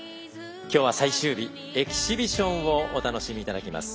今日は最終日、エキシビションをお楽しみいただきます。